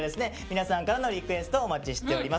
皆さんからのリクエストをお待ちしております。